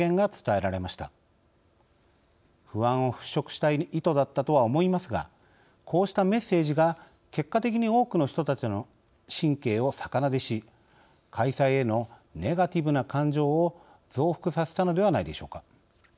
不安を払しょくしたい意図だったとは思いますがこうしたメッセージが結果的に多くの人たちの神経を逆なでし開催へのネガティブな感情を増幅させたのではないでしょうか。